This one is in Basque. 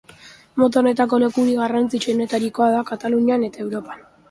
Mota honetako lekurik garrantzitsuenetarikoa da Katalunian eta Europan orokorrean.